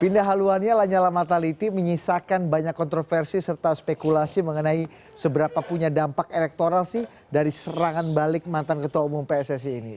pindah haluannya lanyala mataliti menyisakan banyak kontroversi serta spekulasi mengenai seberapa punya dampak elektoral sih dari serangan balik mantan ketua umum pssi ini